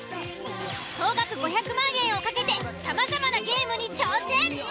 総額５００万円を懸けてさまざまなゲームに挑戦。